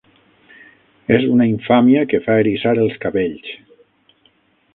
És una infàmia que fa eriçar els cabells